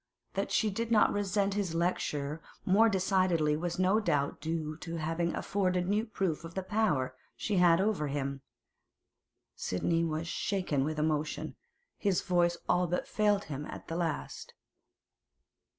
That she did not resent his lecture more decidedly was no doubt due to its having afforded new proof of the power she had over him. Sidney was shaken with emotion; his voice all but failed him at the last.